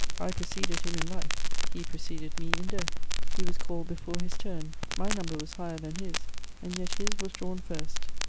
I preceded him in life; he preceded me in death; he was called before his turn: my number was higher than his, and yet his was drawn first.